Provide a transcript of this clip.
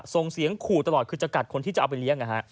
ส่งเสียงขู่ตลอดคือจะกัดคนที่จะเอาไปเลี้ยง